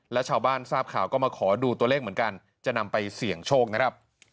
แล้วชาวบ้านทราบข่าวก็มาขอดูตัวเลขเหมือนกันจะนำไปเสี่ยงโชคนะครับ